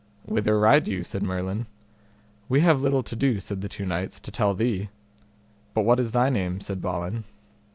Whither ride you? said Merlin. We have little to do, said the two knights, to tell thee. But what is thy name? said Balin.